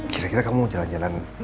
kira kira kamu jalan jalan